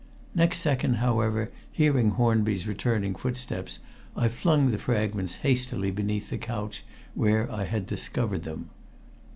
Next second, however, hearing Hornby's returning footsteps, I flung the fragments hastily beneath the couch where I had discovered them.